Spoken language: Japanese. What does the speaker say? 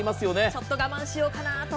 ちょっと我慢しようかなと。